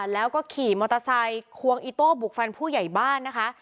แล้วก็ขี่มอเตอร์ไซค์ควงอีโต้บุกแฟนผู้ใหญ่บ้านนะคะ